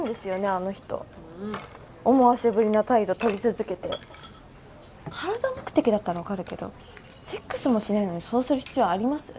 あの人思わせぶりな態度取り続けて体目的だったら分かるけどセックスもしないのにそうする必要あります？